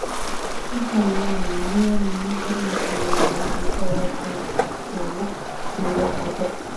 根拠もないのに、むやみにありもしない物、または情況を作り出すこと。